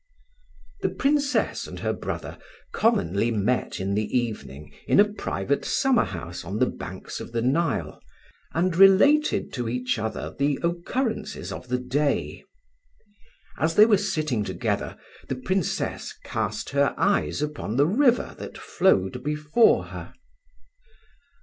The Princess and her brother commonly met in the evening in a private summerhouse on the banks of the Nile, and related to each other the occurrences of the day. As they were sitting together the Princess cast her eyes upon the river that flowed before her.